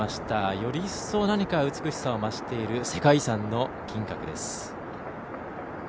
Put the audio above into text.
より一層、何か美しさを増している世界遺産の金閣です。